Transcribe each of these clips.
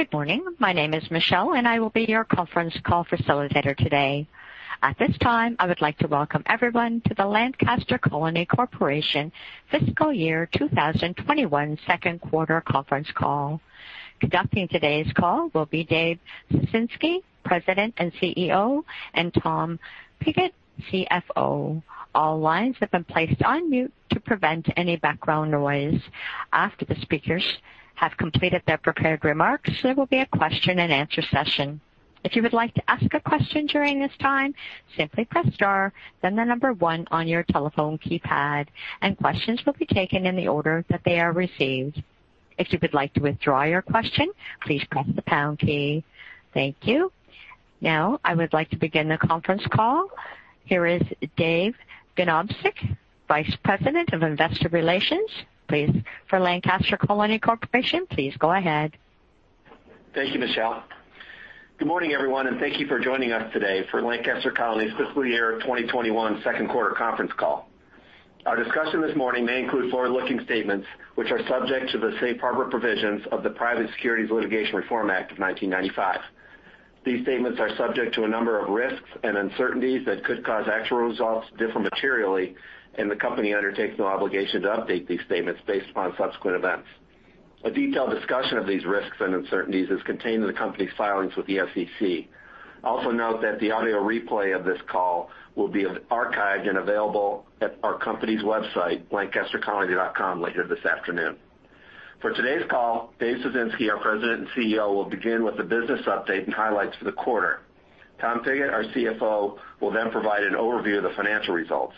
Good morning. My name is Michelle, and I will be your conference call facilitator today. At this time, I would like to welcome everyone to the Lancaster Colony Corporation Fiscal Year 2021 Second Quarter Conference Call. Conducting today's call will be Dave Ciesinski, President and CEO, and Tom Pigott, CFO. All lines have been placed on mute to prevent any background noise. After the speakers have completed their prepared remarks, there will be a question-and-answer session. If you would like to ask a question during this time, simply press star, then the number one on your telephone keypad, and questions will be taken in the order that they are received. If you would like to withdraw your question, please press the pound key. Thank you. Now, I would like to begin the conference call. Here is Dale Ganobsik, Vice President of Investor Relations. Please, for Lancaster Colony Corporation, please go ahead. Thank you, Michelle. Good morning, everyone, and thank you for joining us today for Lancaster Colony's Fiscal Year 2021 Second Quarter Conference Call. Our discussion this morning may include forward-looking statements, which are subject to the Safe Harbor Provisions of the Private Securities Litigation Reform Act of 1995. These statements are subject to a number of risks and uncertainties that could cause actual results to differ materially, and the company undertakes no obligation to update these statements based upon subsequent events. A detailed discussion of these risks and uncertainties is contained in the company's filings with the SEC. Also note that the audio replay of this call will be archived and available at our company's website, lancastercolony.com, later this afternoon. For today's call, Dave Ciesinski, our President and CEO, will begin with a business update and highlights for the quarter. Tom Pickett, our CFO, will then provide an overview of the financial results.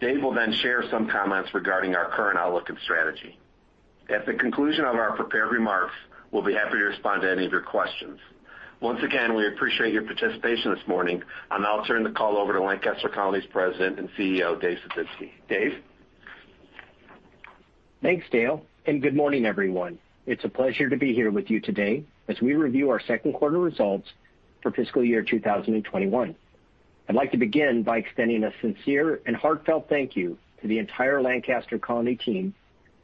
Dave will then share some comments regarding our current outlook and strategy. At the conclusion of our prepared remarks, we'll be happy to respond to any of your questions. Once again, we appreciate your participation this morning, and I'll turn the call over to Lancaster Colony's President and CEO, Dave Ciesinski. Dave? Thanks, Dale, and good morning, everyone. It's a pleasure to be here with you today as we review our second quarter results for Fiscal Year 2021. I'd like to begin by extending a sincere and heartfelt thank you to the entire Lancaster Colony team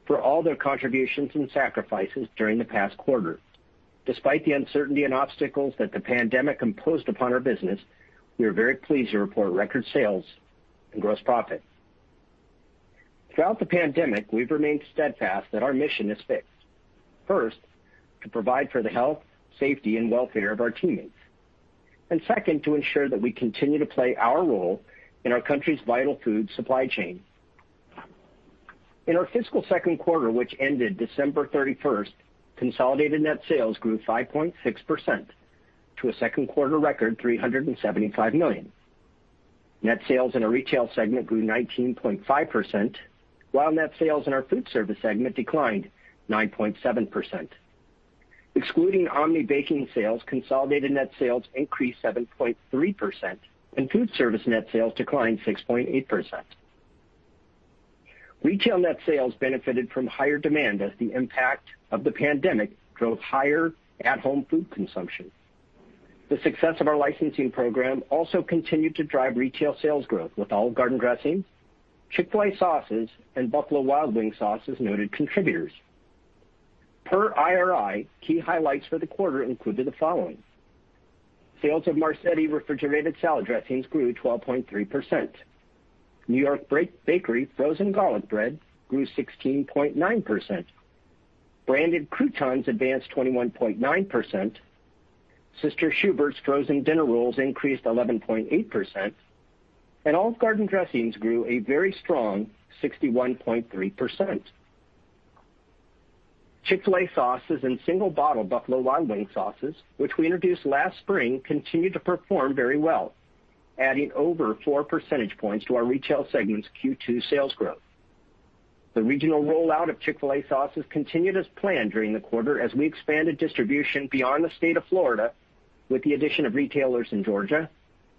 for all their contributions and sacrifices during the past quarter. Despite the uncertainty and obstacles that the pandemic imposed upon our business, we are very pleased to report record sales and gross profits. Throughout the pandemic, we've remained steadfast that our mission is fixed. First, to provide for the health, safety, and welfare of our teammates. Second, to ensure that we continue to play our role in our country's vital food supply chain. In our fiscal second quarter, which ended December 31st, consolidated net sales grew 5.6% to a second quarter record, $375 million. Net sales in our retail segment grew 19.5%, while net sales in our food service segment declined 9.7%. Excluding Omni Baking sales, consolidated net sales increased 7.3%, and food service net sales declined 6.8%. Retail net sales benefited from higher demand as the impact of the pandemic drove higher at-home food consumption. The success of our licensing program also continued to drive retail sales growth, with Olive Garden dressings, Chick-fil-A sauces, and Buffalo Wild Wings sauces noted contributors. Per IRI, key highlights for the quarter included the following: sales of Marzetti refrigerated salad dressings grew 12.3%, New York Bakery frozen garlic bread grew 16.9%, branded croutons advanced 21.9%, Sister Schubert's frozen dinner rolls increased 11.8%, and Olive Garden dressings grew a very strong 61.3%. Chick-fil-A sauces and single bottle Buffalo Wild Wings sauces, which we introduced last spring, continued to perform very well, adding over four percentage points to our retail segment's Q2 sales growth. The regional rollout of Chick-fil-A sauces continued as planned during the quarter as we expanded distribution beyond the state of Florida with the addition of retailers in Georgia,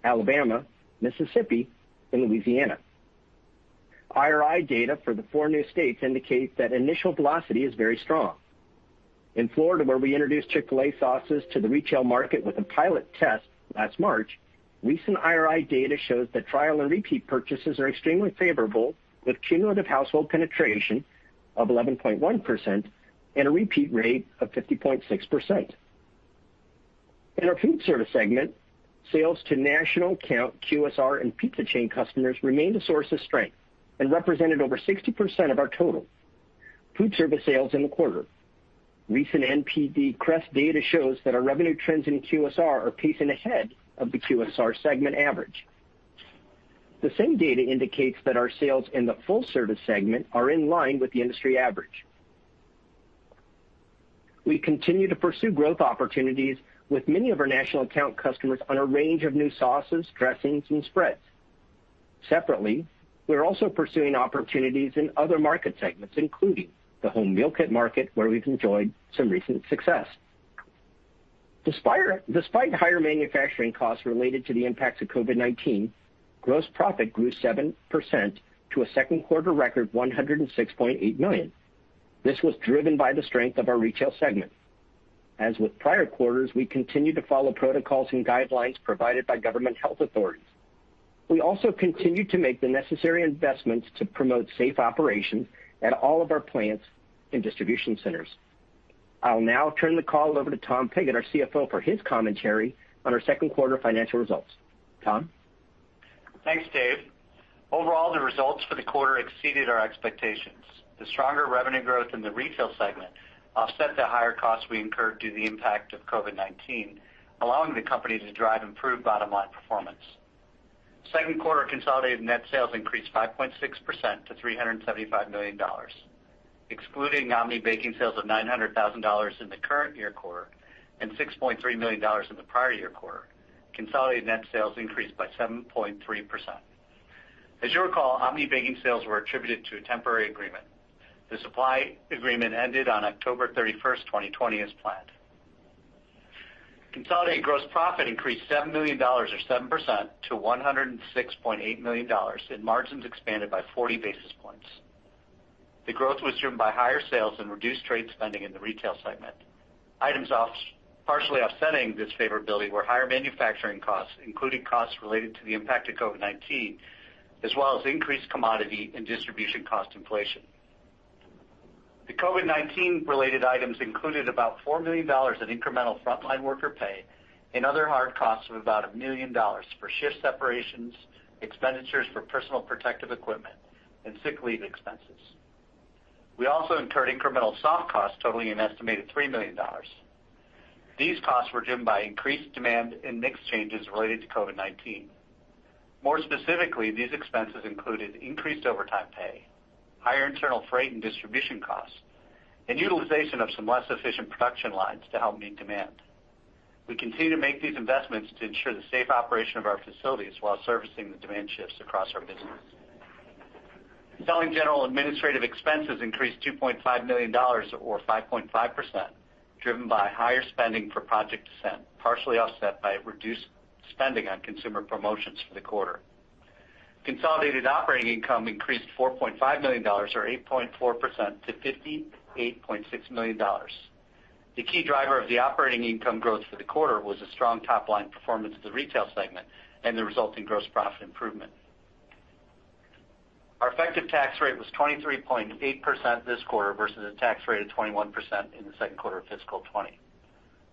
Alabama, Mississippi, and Louisiana. IRI data for the four new states indicate that initial velocity is very strong. In Florida, where we introduced Chick-fil-A sauces to the retail market with a pilot test last March, recent IRI data shows that trial and repeat purchases are extremely favorable, with cumulative household penetration of 11.1% and a repeat rate of 50.6%. In our food service segment, sales to national account QSR and pizza chain customers remained a source of strength and represented over 60% of our total food service sales in the quarter. Recent NPD CREST data shows that our revenue trends in QSR are pacing ahead of the QSR segment average. The same data indicates that our sales in the full service segment are in line with the industry average. We continue to pursue growth opportunities with many of our national account customers on a range of new sauces, dressings, and spreads. Separately, we're also pursuing opportunities in other market segments, including the home meal kit market, where we've enjoyed some recent success. Despite higher manufacturing costs related to the impacts of COVID-19, gross profit grew 7% to a second quarter record of $106.8 million. This was driven by the strength of our retail segment. As with prior quarters, we continue to follow protocols and guidelines provided by government health authorities. We also continue to make the necessary investments to promote safe operations at all of our plants and distribution centers. I'll now turn the call over to Tom Pigott, our CFO, for his commentary on our second quarter financial results. Tom? Thanks, Dave. Overall, the results for the quarter exceeded our expectations. The stronger revenue growth in the retail segment offset the higher costs we incurred due to the impact of COVID-19, allowing the company to drive improved bottom-line performance. Second quarter consolidated net sales increased 5.6% to $375 million. Excluding Omni Baking sales of $900,000 in the current year quarter and $6.3 million in the prior year quarter, consolidated net sales increased by 7.3%. As you recall, Omni Baking sales were attributed to a temporary agreement. The supply agreement ended on October 31st 2020, as planned. Consolidated gross profit increased $7 million or 7% to $106.8 million, and margins expanded by 40 basis points. The growth was driven by higher sales and reduced trade spending in the retail segment. Items partially offsetting this favorability were higher manufacturing costs, including costs related to the impact of COVID-19, as well as increased commodity and distribution cost inflation. The COVID-19-related items included about $4 million in incremental front-line worker pay and other hard costs of about $1 million for shift separations, expenditures for personal protective equipment, and sick leave expenses. We also incurred incremental soft costs totaling an estimated $3 million. These costs were driven by increased demand and mix changes related to COVID-19. More specifically, these expenses included increased overtime pay, higher internal freight and distribution costs, and utilization of some less efficient production lines to help meet demand. We continue to make these investments to ensure the safe operation of our facilities while servicing the demand shifts across our business. Selling general administrative expenses increased $2.5 million or 5.5%, driven by higher spending for Project Ascent, partially offset by reduced spending on consumer promotions for the quarter. Consolidated operating income increased $4.5 million or 8.4% to $58.6 million. The key driver of the operating income growth for the quarter was a strong top-line performance of the retail segment and the resulting gross profit improvement. Our effective tax rate was 23.8% this quarter versus a tax rate of 21% in the second quarter of fiscal 2020.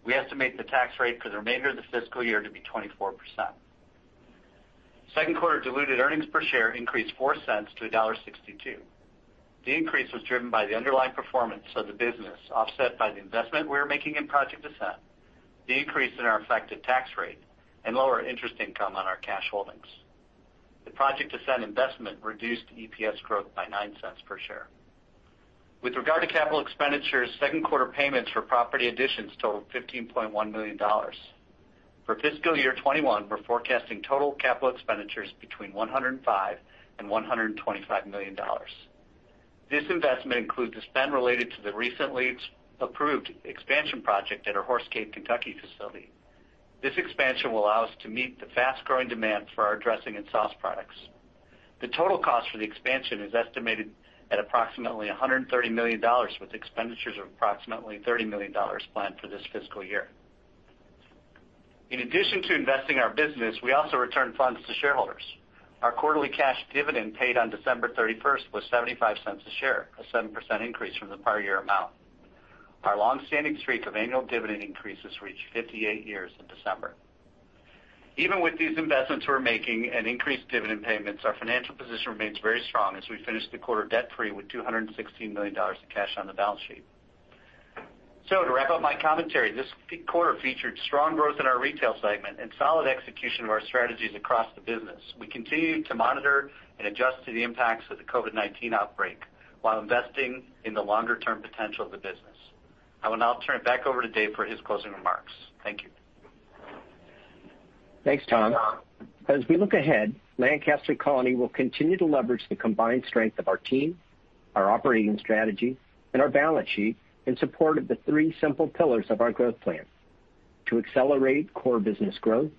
We estimate the tax rate for the remainder of the fiscal year to be 24%. Second quarter diluted earnings per share increased $0.04 to $1.62. The increase was driven by the underlying performance of the business, offset by the investment we were making in Project Ascent, the increase in our effective tax rate, and lower interest income on our cash holdings. The Project Ascent investment reduced EPS growth by $0.09 per share. With regard to capital expenditures, second quarter payments for property additions totaled $15.1 million. For fiscal year 2021, we're forecasting total capital expenditures between $105-$125 million. This investment includes the spend related to the recently approved expansion project at our Horse Cave, Kentucky facility. This expansion will allow us to meet the fast-growing demand for our dressing and sauce products. The total cost for the expansion is estimated at approximately $130 million, with expenditures of approximately $30 million planned for this fiscal year. In addition to investing in our business, we also return funds to shareholders. Our quarterly cash dividend paid on December 31st was $0.75 a share, a 7% increase from the prior year amount. Our long-standing streak of annual dividend increases reached 58 years in December. Even with these investments we're making and increased dividend payments, our financial position remains very strong as we finished the quarter debt-free with $216 million in cash on the balance sheet. To wrap up my commentary, this quarter featured strong growth in our retail segment and solid execution of our strategies across the business. We continue to monitor and adjust to the impacts of the COVID-19 outbreak while investing in the longer-term potential of the business. I will now turn it back over to Dave for his closing remarks. Thank you. Thanks, Tom. As we look ahead, Lancaster Colony will continue to leverage the combined strength of our team, our operating strategy, and our balance sheet in support of the three simple pillars of our growth plan: to accelerate core business growth,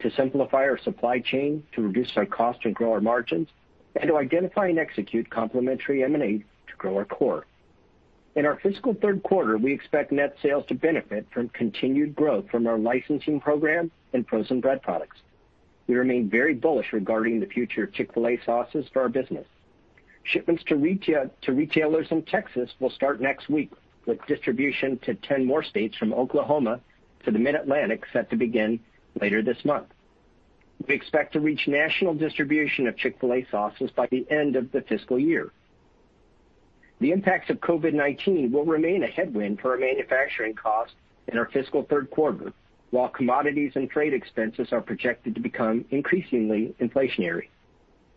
to simplify our supply chain to reduce our costs and grow our margins, and to identify and execute complementary M&As to grow our core. In our fiscal third quarter, we expect net sales to benefit from continued growth from our licensing program and frozen bread products. We remain very bullish regarding the future of Chick-fil-A sauces for our business. Shipments to retailers in Texas will start next week, with distribution to 10 more states from Oklahoma to the Mid-Atlantic set to begin later this month. We expect to reach national distribution of Chick-fil-A sauces by the end of the fiscal year. The impacts of COVID-19 will remain a headwind for our manufacturing costs in our fiscal third quarter, while commodities and freight expenses are projected to become increasingly inflationary.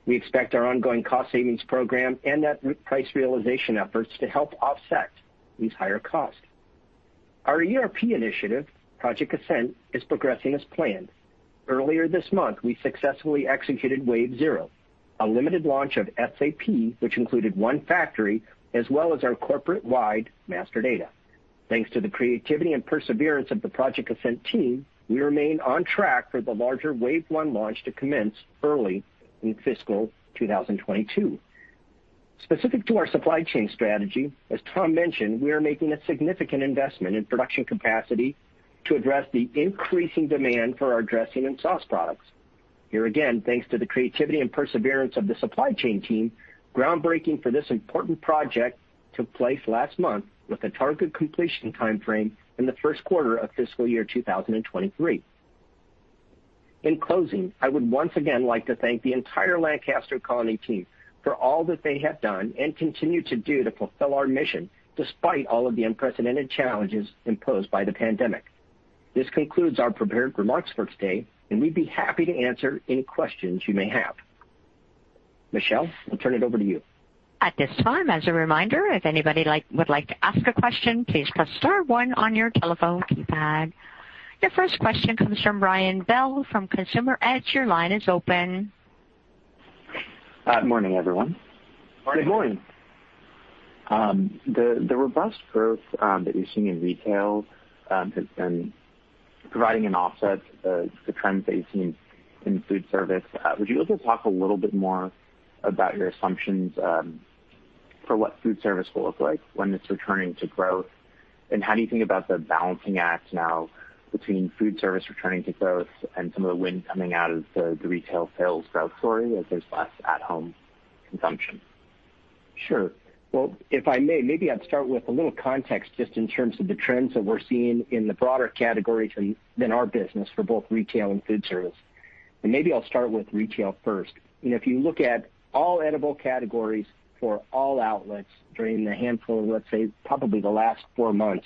We expect our ongoing cost savings program and net price realization efforts to help offset these higher costs. Our ERP initiative, Project Ascent, is progressing as planned. Earlier this month, we successfully executed Wave Zero, a limited launch of SAP, which included one factory, as well as our corporate-wide master data. Thanks to the creativity and perseverance of the Project Ascent team, we remain on track for the larger Wave One launch to commence early in fiscal 2022. Specific to our supply chain strategy, as Tom mentioned, we are making a significant investment in production capacity to address the increasing demand for our dressing and sauce products. Here again, thanks to the creativity and perseverance of the supply chain team, groundbreaking for this important project took place last month with a targeted completion timeframe in the first quarter of fiscal year 2023. In closing, I would once again like to thank the entire Lancaster Colony team for all that they have done and continue to do to fulfill our mission despite all of the unprecedented challenges imposed by the pandemic. This concludes our prepared remarks for today, and we'd be happy to answer any questions you may have. Michelle, I'll turn it over to you. At this time, as a reminder, if anybody would like to ask a question, please press star one on your telephone keypad. Your first question comes from Ryan Bell from Consumer Edge. Your line is open. Good morning, everyone. Morning. Good morning. The robust growth that you're seeing in retail has been providing an offset to the trends that you've seen in food service. Would you like to talk a little bit more about your assumptions for what food service will look like when it's returning to growth? How do you think about the balancing act now between food service returning to growth and some of the wind coming out of the retail sales growth story as there's less at-home consumption? Sure. If I may, maybe I'd start with a little context just in terms of the trends that we're seeing in the broader categories than our business for both retail and food service. Maybe I'll start with retail first. If you look at all edible categories for all outlets during the handful of, let's say, probably the last four months,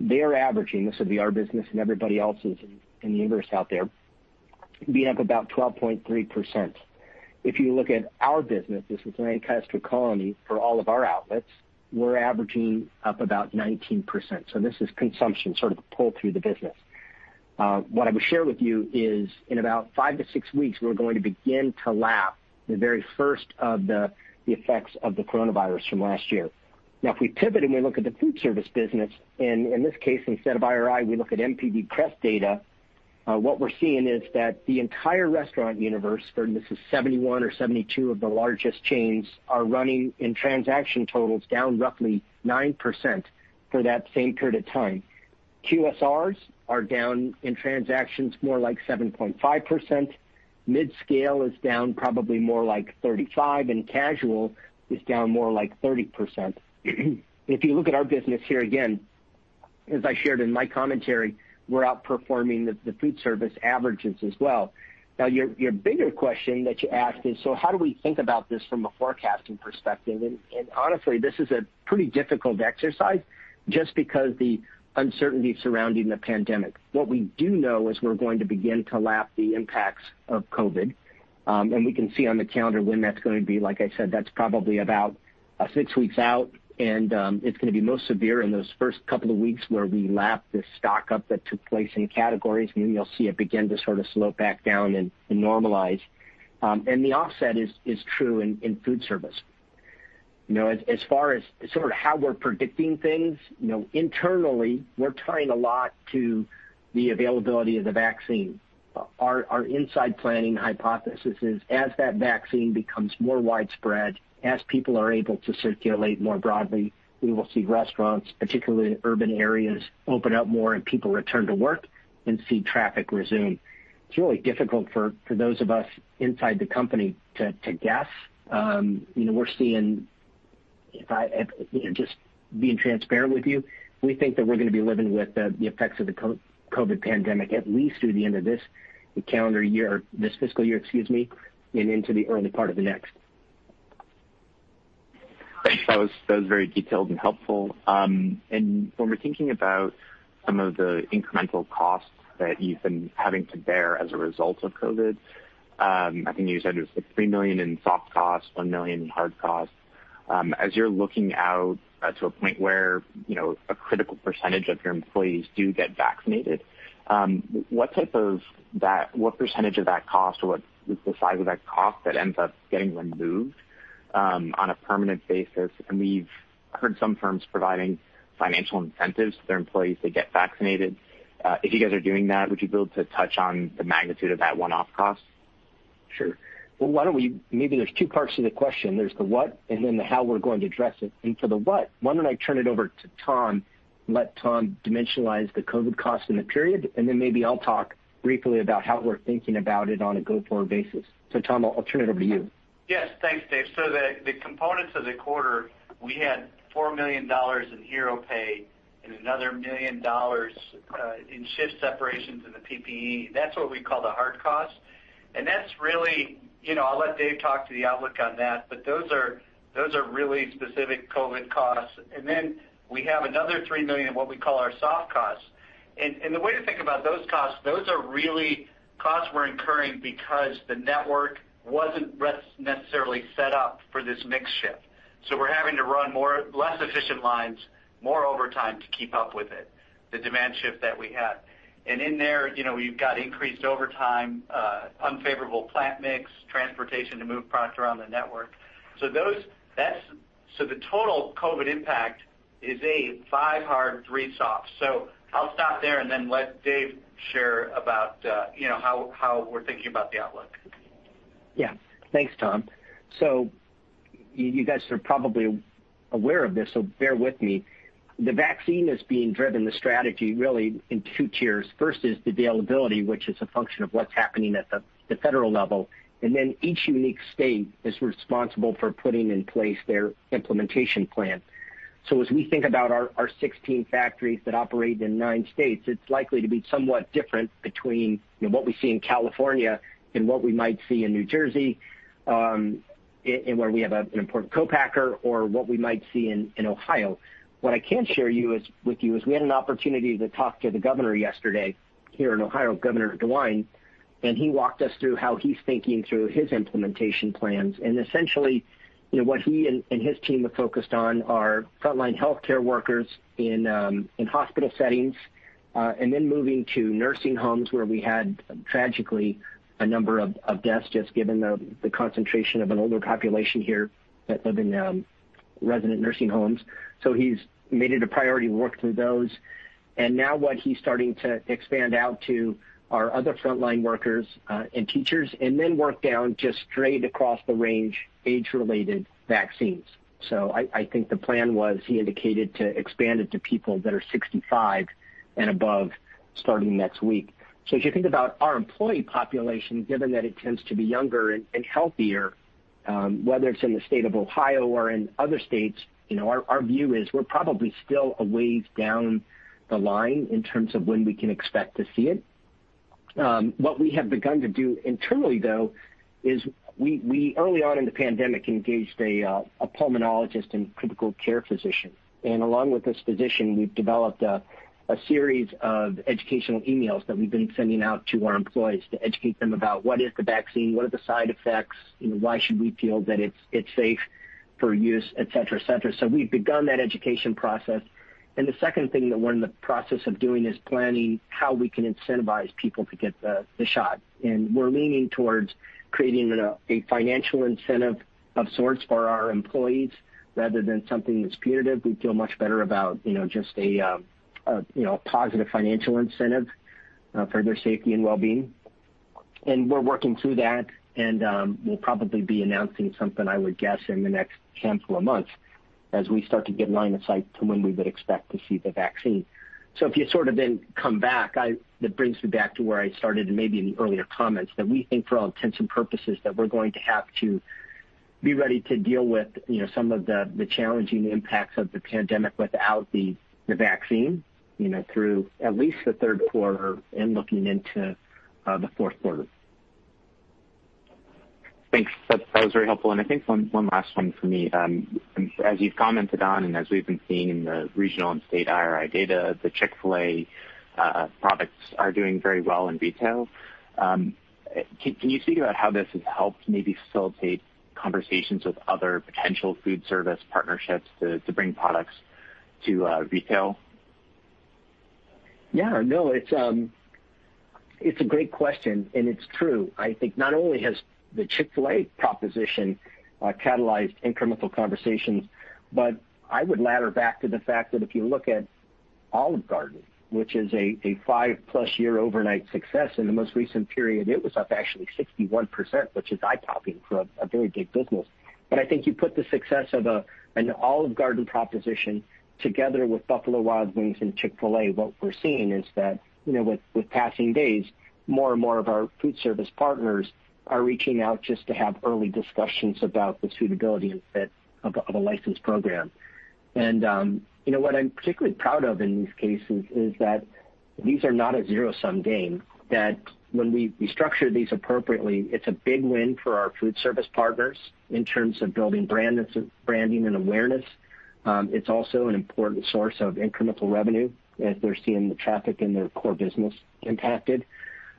they are averaging—this would be our business and everybody else's in the universe out there—being up about 12.3%. If you look at our business, this is Lancaster Colony for all of our outlets, we're averaging up about 19%. This is consumption, sort of the pull-through of the business. What I would share with you is in about five to six weeks, we're going to begin to lap the very first of the effects of the coronavirus from last year. Now, if we pivot and we look at the food service business, and in this case, instead of IRI, we look at NPD CREST data, what we're seeing is that the entire restaurant universe—and this is 71 or 72 of the largest chains—are running in transaction totals down roughly 9% for that same period of time. QSRs are down in transactions more like 7.5%. Mid-scale is down probably more like 35%, and casual is down more like 30%. If you look at our business here again, as I shared in my commentary, we're outperforming the food service averages as well. Your bigger question that you asked is, "So how do we think about this from a forecasting perspective?" Honestly, this is a pretty difficult exercise just because of the uncertainty surrounding the pandemic. What we do know is we're going to begin to lap the impacts of COVID, and we can see on the calendar when that's going to be. Like I said, that's probably about six weeks out, and it's going to be most severe in those first couple of weeks where we lap this stock up that took place in categories, and then you'll see it begin to sort of slow back down and normalize. The offset is true in food service. As far as sort of how we're predicting things, internally, we're tying a lot to the availability of the vaccine. Our inside planning hypothesis is, as that vaccine becomes more widespread, as people are able to circulate more broadly, we will see restaurants, particularly in urban areas, open up more and people return to work and see traffic resume. It's really difficult for those of us inside the company to guess. We're seeing, if I just being transparent with you, we think that we're going to be living with the effects of the COVID pandemic at least through the end of this calendar year, this fiscal year, excuse me, and into the early part of the next. That was very detailed and helpful. When we're thinking about some of the incremental costs that you've been having to bear as a result of COVID, I think you said it was like $3 million in soft costs, $1 million in hard costs. As you're looking out to a point where a critical percentage of your employees do get vaccinated, what type of that, what percentage of that cost, or what is the size of that cost that ends up getting removed on a permanent basis? We've heard some firms providing financial incentives to their employees to get vaccinated. If you guys are doing that, would you be able to touch on the magnitude of that one-off cost? Sure. Why don't we—maybe there's two parts to the question. There's the what and then the how we're going to address it. For the what, why don't I turn it over to Tom and let Tom dimensionalize the COVID cost in the period, and then maybe I'll talk briefly about how we're thinking about it on a go-forward basis. Tom, I'll turn it over to you. Yes. Thanks, Dave. The components of the quarter, we had $4 million in hero pay and another $1 million in shift separations in the PPE. That is what we call the hard cost. That is really—I will let Dave talk to the outlook on that, but those are really specific COVID costs. We have another $3 million in what we call our soft costs. The way to think about those costs, those are really costs we are incurring because the network was not necessarily set up for this mix shift. We are having to run less efficient lines, more overtime to keep up with the demand shift that we had. In there, we have increased overtime, unfavorable plant mix, transportation to move product around the network. The total COVID impact is a $5 million hard, $3 million soft. I'll stop there and then let Dave share about how we're thinking about the outlook. Yeah. Thanks, Tom. You guys are probably aware of this, so bear with me. The vaccine is being driven, the strategy, really, in two tiers. First is the availability, which is a function of what's happening at the federal level. Each unique state is responsible for putting in place their implementation plan. As we think about our 16 factories that operate in nine states, it's likely to be somewhat different between what we see in California and what we might see in New Jersey and where we have an important co-packer or what we might see in Ohio. What I can share with you is we had an opportunity to talk to the governor yesterday here in Ohio, Governor DeWine, and he walked us through how he's thinking through his implementation plans. Essentially, what he and his team have focused on are frontline healthcare workers in hospital settings and then moving to nursing homes where we had, tragically, a number of deaths just given the concentration of an older population here that live in resident nursing homes. He has made it a priority to work through those. Now what he is starting to expand out to are other frontline workers and teachers and then work down just straight across the range, age-related vaccines. I think the plan was he indicated to expand it to people that are 65 and above starting next week. As you think about our employee population, given that it tends to be younger and healthier, whether it is in the state of Ohio or in other states, our view is we are probably still a ways down the line in terms of when we can expect to see it. What we have begun to do internally, though, is we, early on in the pandemic, engaged a pulmonologist and critical care physician. Along with this physician, we have developed a series of educational emails that we have been sending out to our employees to educate them about what is the vaccine, what are the side effects, why should we feel that it is safe for use, etc., etc. We have begun that education process. The second thing that we are in the process of doing is planning how we can incentivize people to get the shot. We are leaning towards creating a financial incentive of sorts for our employees rather than something that is punitive. We feel much better about just a positive financial incentive for their safety and well-being. We are working through that, and we will probably be announcing something, I would guess, in the next handful of months as we start to get line of sight to when we would expect to see the vaccine. If you sort of then come back, that brings me back to where I started and maybe in the earlier comments that we think, for all intents and purposes, that we are going to have to be ready to deal with some of the challenging impacts of the pandemic without the vaccine through at least the third quarter and looking into the fourth quarter. Thanks. That was very helpful. I think one last one for me. As you've commented on and as we've been seeing in the regional and state IRI data, the Chick-fil-A products are doing very well in retail. Can you speak about how this has helped maybe facilitate conversations with other potential food service partnerships to bring products to retail? Yeah. No, it's a great question, and it's true. I think not only has the Chick-fil-A proposition catalyzed incremental conversations, but I would ladder back to the fact that if you look at Olive Garden, which is a five-plus year overnight success, in the most recent period, it was up actually 61%, which is eye-popping for a very big business. I think you put the success of an Olive Garden proposition together with Buffalo Wild Wings and Chick-fil-A, what we're seeing is that with passing days, more and more of our food service partners are reaching out just to have early discussions about the suitability and fit of a licensed program. What I'm particularly proud of in these cases is that these are not a zero-sum game, that when we structure these appropriately, it's a big win for our food service partners in terms of building branding and awareness. It's also an important source of incremental revenue as they're seeing the traffic in their core business impacted.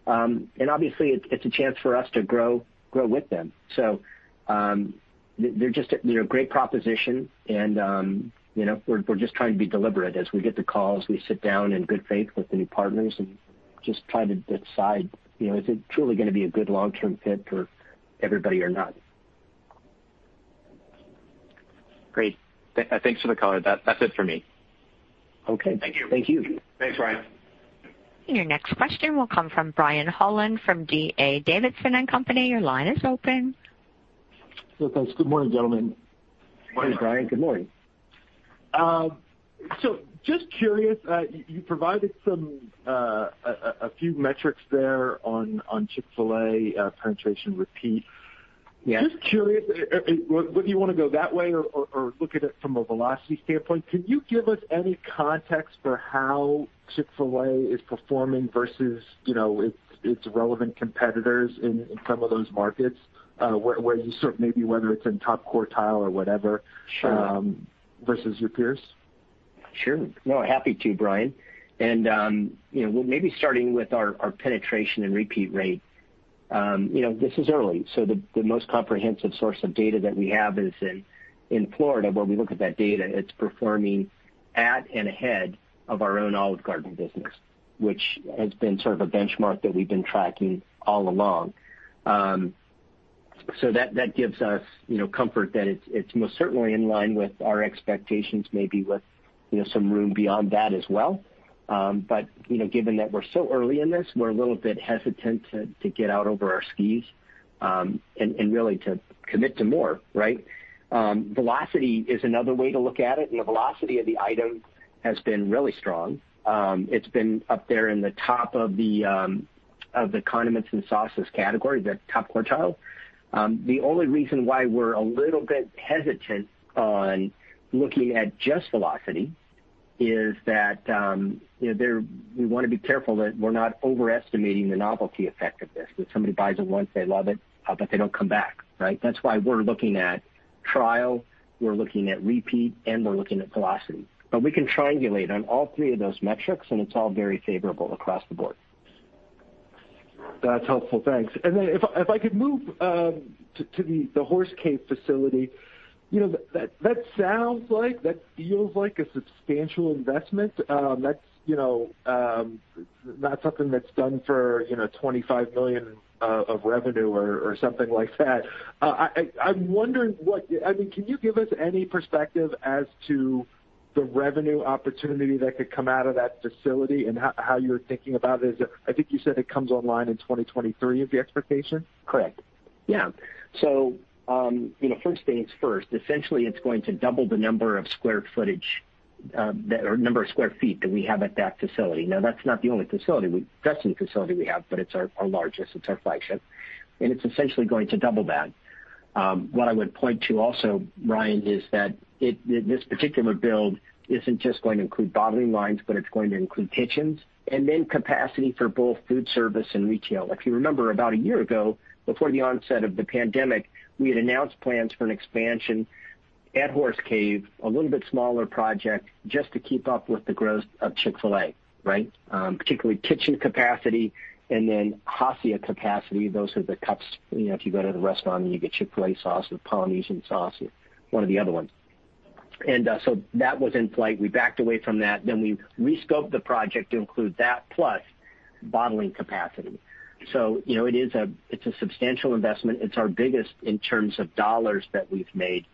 Obviously, it's a chance for us to grow with them. They're a great proposition, and we're just trying to be deliberate as we get the calls, we sit down in good faith with the new partners and just try to decide if it's truly going to be a good long-term fit for everybody or not. Great. Thanks for the color. That's it for me. Okay. Thank you. Thank you. Thanks, Ryan. Your next question will come from Brian Holland from D.A. Davidson & Company. Your line is open. Thanks. Good morning, gentlemen. Morning, Brian. Good morning. Just curious, you provided a few metrics there on Chick-fil-A penetration repeat. Just curious, whether you want to go that way or look at it from a velocity standpoint, could you give us any context for how Chick-fil-A is performing versus its relevant competitors in some of those markets where you sort of maybe whether it's in top quartile or whatever versus your peers? Sure. No, happy to, Brian. Maybe starting with our penetration and repeat rate, this is early. The most comprehensive source of data that we have is in Florida where we look at that data. It's performing at and ahead of our own Olive Garden business, which has been sort of a benchmark that we've been tracking all along. That gives us comfort that it's most certainly in line with our expectations, maybe with some room beyond that as well. Given that we're so early in this, we're a little bit hesitant to get out over our skis and really to commit to more, right? Velocity is another way to look at it. The velocity of the item has been really strong. It's been up there in the top of the condiments and sauces category, the top quartile. The only reason why we're a little bit hesitant on looking at just velocity is that we want to be careful that we're not overestimating the novelty effect of this. If somebody buys it once, they love it, but they don't come back, right? That's why we're looking at trial, we're looking at repeat, and we're looking at velocity. We can triangulate on all three of those metrics, and it's all very favorable across the board. That's helpful. Thanks. If I could move to the Horse Cave facility, that sounds like that feels like a substantial investment. That's not something that's done for $25 million of revenue or something like that. I'm wondering what, I mean, can you give us any perspective as to the revenue opportunity that could come out of that facility and how you're thinking about it? I think you said it comes online in 2023 is the expectation. Correct. Yeah. First things first, essentially, it's going to double the number of square feet that we have at that facility. Now, that's not the only facility. That's the only facility we have, but it's our largest. It's our flagship. And it's essentially going to double that. What I would point to also, Brian, is that this particular build isn't just going to include bottling lines, but it's going to include kitchens and then capacity for both food service and retail. If you remember, about a year ago, before the onset of the pandemic, we had announced plans for an expansion at Horse Cave, a little bit smaller project just to keep up with the growth of Chick-fil-A, right? Particularly kitchen capacity and then Hassia capacity. Those are the cups. If you go to the restaurant and you get Chick-fil-A sauce or the Polynesian sauce or one of the other ones. That was in flight. We backed away from that. We rescoped the project to include that plus bottling capacity. It is a substantial investment. It is our biggest in terms of dollars that we have made.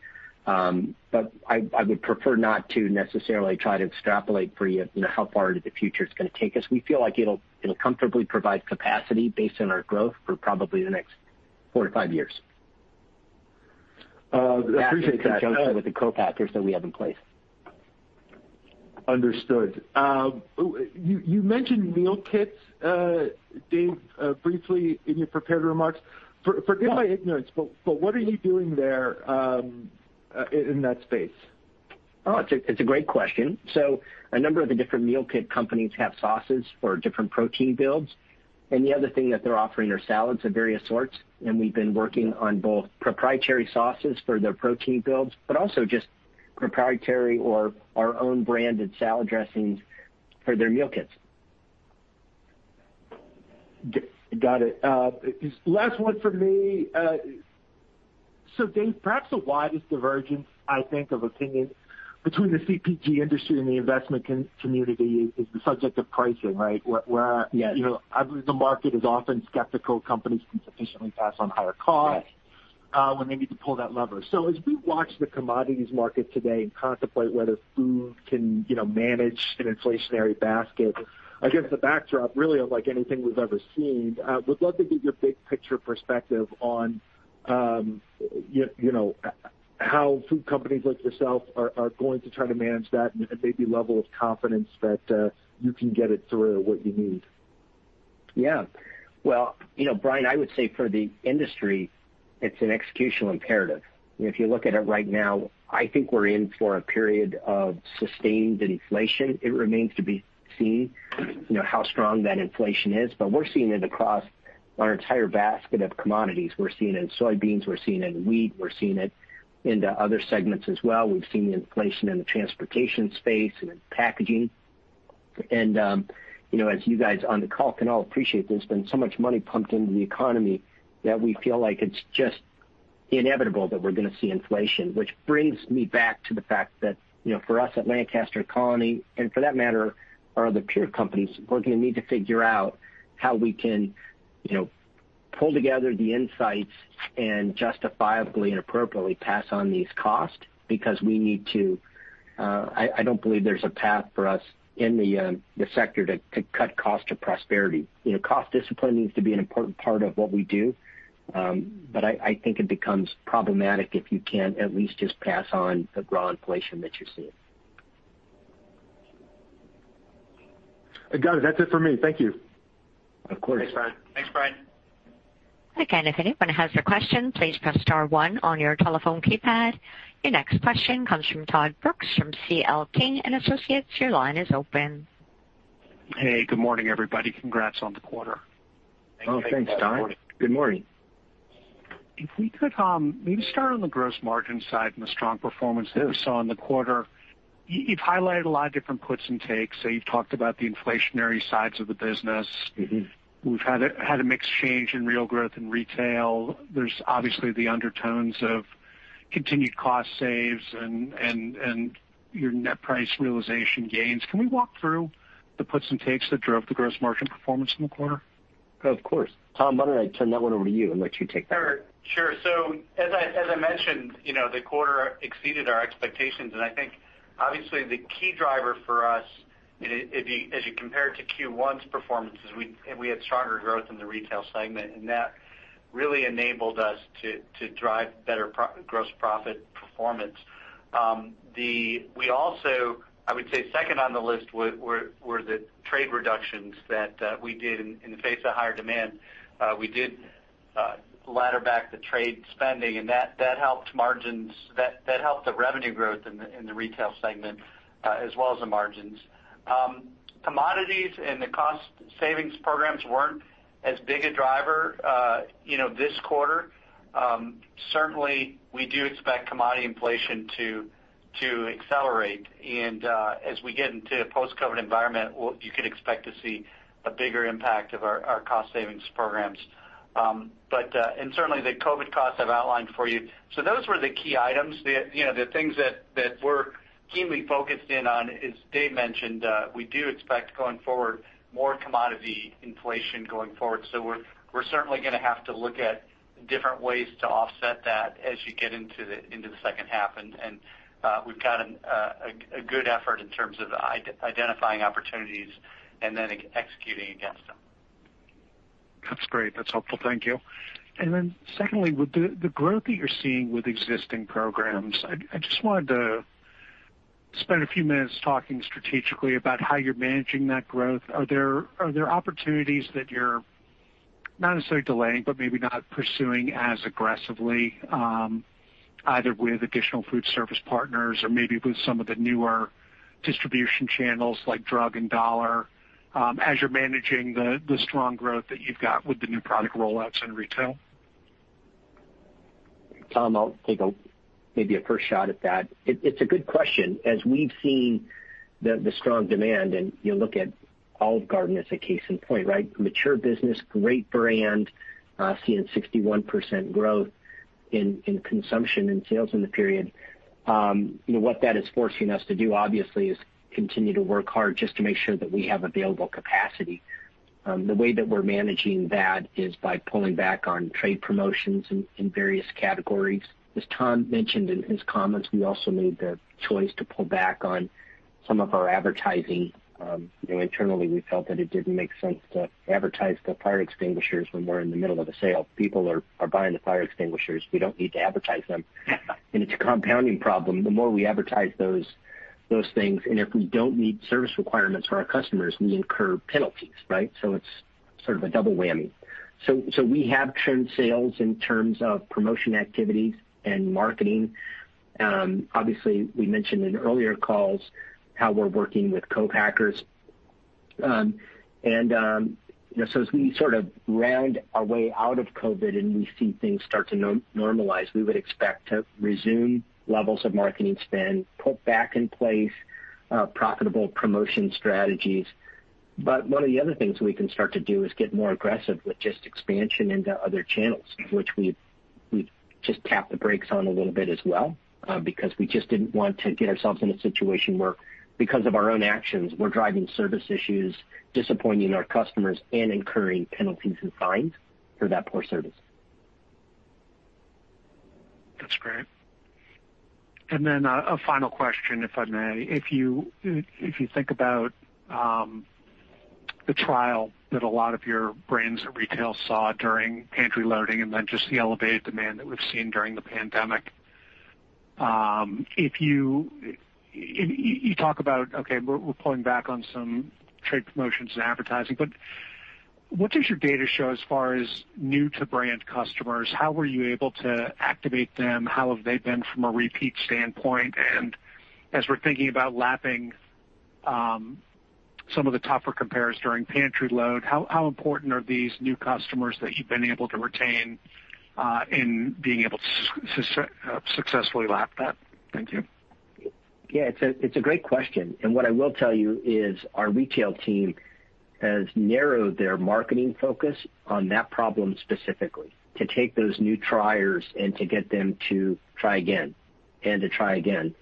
I would prefer not to necessarily try to extrapolate for you how far into the future it is going to take us. We feel like it will comfortably provide capacity based on our growth for probably the next four to five years. I appreciate that. With the co-packers that we have in place. Understood. You mentioned meal kits, Dave, briefly in your prepared remarks. Forgive my ignorance, but what are you doing there in that space? Oh, it's a great question. A number of the different meal kit companies have sauces for different protein builds. The other thing that they're offering are salads of various sorts. We've been working on both proprietary sauces for their protein builds, but also just proprietary or our own branded salad dressings for their meal kits. Got it. Last one for me. Dave, perhaps the widest divergence, I think, of opinion between the CPG industry and the investment community is the subject of pricing, right? Yes. I believe the market is often skeptical. Companies can sufficiently pass on higher costs when they need to pull that lever. As we watch the commodities market today and contemplate whether food can manage an inflationary basket against the backdrop, really, of anything we've ever seen, would love to get your big picture perspective on how food companies like yourself are going to try to manage that and maybe level of confidence that you can get it through what you need. Yeah. Brian, I would say for the industry, it's an executional imperative. If you look at it right now, I think we're in for a period of sustained inflation. It remains to be seen how strong that inflation is. We're seeing it across our entire basket of commodities. We're seeing it in soybeans. We're seeing it in wheat. We're seeing it in other segments as well. We've seen the inflation in the transportation space and in packaging. As you guys on the call can all appreciate, there's been so much money pumped into the economy that we feel like it's just inevitable that we're going to see inflation, which brings me back to the fact that for us at Lancaster Colony and for that matter, our other peer companies, we're going to need to figure out how we can pull together the insights and justifiably and appropriately pass on these costs because we need to. I don't believe there's a path for us in the sector to cut cost to prosperity. Cost discipline needs to be an important part of what we do, but I think it becomes problematic if you can't at least just pass on the raw inflation that you're seeing. Guys, that's it for me. Thank you. Of course. Thanks, Brian. Again, if anyone has a question, please press star one on your telephone keypad. Your next question comes from Todd Brooks from C.L. King & Associates. Your line is open. Hey, good morning, everybody. Congrats on the quarter. Oh, thanks, Ty. Good morning. If we could maybe start on the gross margin side and the strong performance that we saw in the quarter. You've highlighted a lot of different puts and takes. You’ve talked about the inflationary sides of the business. We've had a mixed change in real growth in retail. There's obviously the undertones of continued cost saves and your net price realization gains. Can we walk through the puts and takes that drove the gross margin performance in the quarter? Of course. Tom, why don't I turn that one over to you and let you take that one? Sure. Sure. As I mentioned, the quarter exceeded our expectations. I think, obviously, the key driver for us, as you compare it to Q1's performance, is we had stronger growth in the retail segment, and that really enabled us to drive better gross profit performance. I would say, second on the list were the trade reductions that we did in the face of higher demand. We did ladder back the trade spending, and that helped margins. That helped the revenue growth in the retail segment as well as the margins. Commodities and the cost savings programs were not as big a driver this quarter. Certainly, we do expect commodity inflation to accelerate. As we get into a post-COVID environment, you can expect to see a bigger impact of our cost savings programs. Certainly, the COVID costs I have outlined for you. Those were the key items. The things that we're keenly focused in on is, as Dave mentioned, we do expect going forward more commodity inflation going forward. We are certainly going to have to look at different ways to offset that as you get into the second half. We have got a good effort in terms of identifying opportunities and then executing against them. That's great. That's helpful. Thank you. Secondly, with the growth that you're seeing with existing programs, I just wanted to spend a few minutes talking strategically about how you're managing that growth. Are there opportunities that you're not necessarily delaying, but maybe not pursuing as aggressively, either with additional food service partners or maybe with some of the newer distribution channels like Drug and Dollar as you're managing the strong growth that you've got with the new product rollouts in retail? Tom, I'll take maybe a first shot at that. It's a good question. As we've seen the strong demand, and you look at Olive Garden as a case in point, right? Mature business, great brand, seeing 61% growth in consumption and sales in the period. What that is forcing us to do, obviously, is continue to work hard just to make sure that we have available capacity. The way that we're managing that is by pulling back on trade promotions in various categories. As Tom mentioned in his comments, we also made the choice to pull back on some of our advertising. Internally, we felt that it didn't make sense to advertise the fire extinguishers when we're in the middle of a sale. People are buying the fire extinguishers. We don't need to advertise them. It's a compounding problem. The more we advertise those things, and if we do not meet service requirements for our customers, we incur penalties, right? It is sort of a double whammy. We have turned sales in terms of promotion activities and marketing. Obviously, we mentioned in earlier calls how we are working with co-packers. As we sort of round our way out of COVID and we see things start to normalize, we would expect to resume levels of marketing spend, put back in place profitable promotion strategies. One of the other things we can start to do is get more aggressive with just expansion into other channels, which we've just tapped the brakes on a little bit as well because we just did not want to get ourselves in a situation where, because of our own actions, we're driving service issues, disappointing our customers, and incurring penalties and fines for that poor service. That's great. A final question, if I may. If you think about the trial that a lot of your brands in retail saw during pantry loading and then just the elevated demand that we've seen during the pandemic, you talk about, okay, we're pulling back on some trade promotions and advertising, but what does your data show as far as new-to-brand customers? How were you able to activate them? How have they been from a repeat standpoint? As we're thinking about lapping some of the tougher comparers during pantry load, how important are these new customers that you've been able to retain in being able to successfully lap that? Thank you. Yeah, it's a great question. What I will tell you is our retail team has narrowed their marketing focus on that problem specifically to take those new triers and to get them to try again and to try again.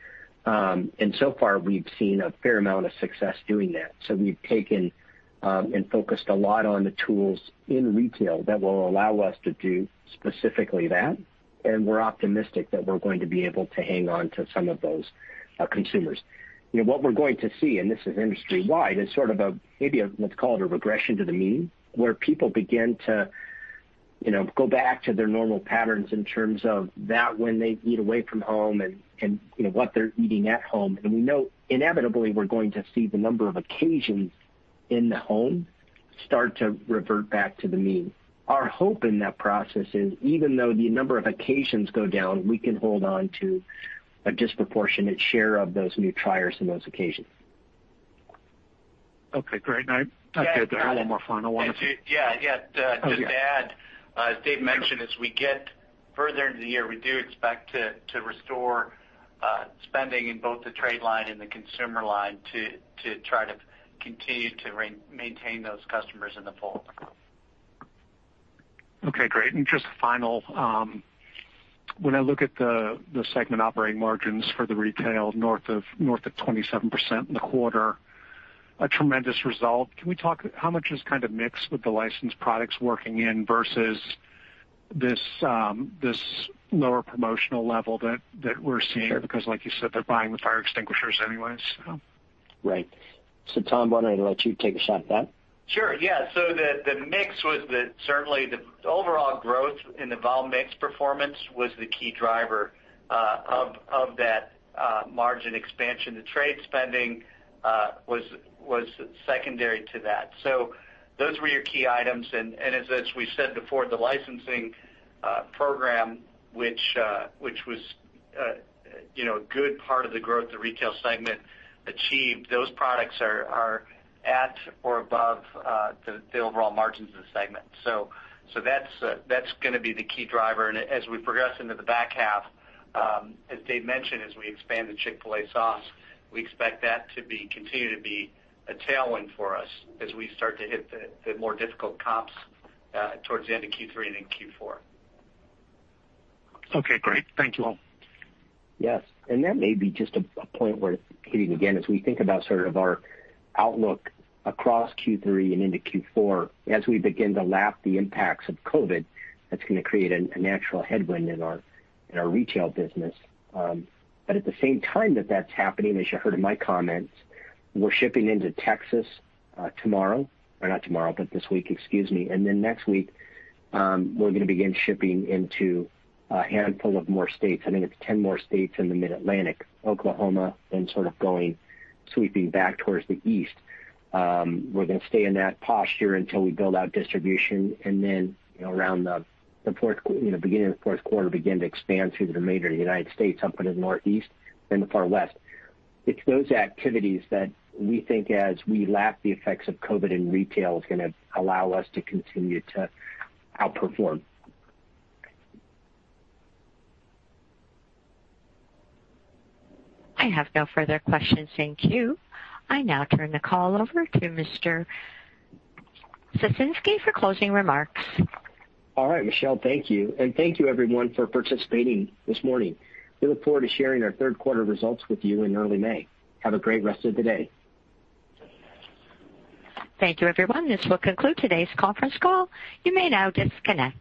So far, we've seen a fair amount of success doing that. We've taken and focused a lot on the tools in retail that will allow us to do specifically that. We're optimistic that we're going to be able to hang on to some of those consumers. What we're going to see, and this is industry-wide, is sort of a maybe let's call it a regression to the mean where people begin to go back to their normal patterns in terms of that when they eat away from home and what they're eating at home. We know inevitably we're going to see the number of occasions in the home start to revert back to the mean. Our hope in that process is, even though the number of occasions go down, we can hold on to a disproportionate share of those new triers in those occasions. Okay. Great. I've got one more final one if you. Yeah. Yeah. Just to add, as Dave mentioned, as we get further into the year, we do expect to restore spending in both the trade line and the consumer line to try to continue to maintain those customers in the fold. Okay. Great. Just a final, when I look at the segment operating margins for the retail north of 27% in the quarter, a tremendous result. Can we talk how much is kind of mixed with the licensed products working in versus this lower promotional level that we're seeing? Because like you said, they're buying the fire extinguishers anyways, so. Right. Tom, why don't I let you take a shot at that? Sure. Yeah. The mix was that certainly the overall growth in the vol mix performance was the key driver of that margin expansion. The trade spending was secondary to that. Those were your key items. As we said before, the licensing program, which was a good part of the growth the retail segment achieved, those products are at or above the overall margins of the segment. That is going to be the key driver. As we progress into the back half, as Dave mentioned, as we expand the Chick-fil-A sauce, we expect that to continue to be a tailwind for us as we start to hit the more difficult comps towards the end of Q3 and in Q4. Okay. Great. Thank you all. Yes. That may be just a point worth hitting again as we think about sort of our outlook across Q3 and into Q4 as we begin to lap the impacts of COVID. That is going to create a natural headwind in our retail business. At the same time that is happening, as you heard in my comments, we are shipping into Texas this week, excuse me. Next week, we are going to begin shipping into a handful of more states. I think it is 10 more states in the Mid-Atlantic, Oklahoma, and sort of going sweeping back towards the east. We are going to stay in that posture until we build out distribution. Around the beginning of the fourth quarter, we will begin to expand to the remainder of the United States, up into the northeast, then the far west. It's those activities that we think, as we lap the effects of COVID in retail, is going to allow us to continue to outperform. I have no further questions. Thank you. I now turn the call over to Mr. Ciesinski for closing remarks. All right, Michelle. Thank you. Thank you, everyone, for participating this morning. We look forward to sharing our third quarter results with you in early May. Have a great rest of the day. Thank you, everyone. This will conclude today's conference call. You may now disconnect.